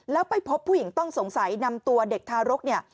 แล้วไปพบผู้หญิงต้องสงสัยนำตัวเด็กทารกเนี่ย